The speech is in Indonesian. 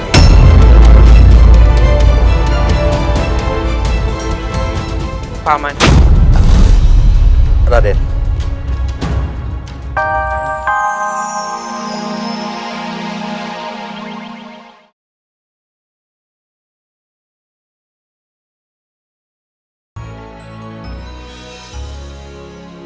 ketika perang tersebut menyebar kepadaku